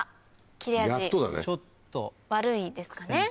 切れ味悪いですかね。